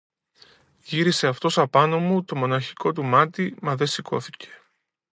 Γύρισε αυτός απάνω μου το μοναχικό του μάτι, μα δε σηκώθηκε.